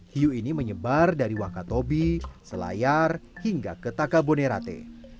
hiu ini menyebar dari wakatobi selayar hingga ke takabonerate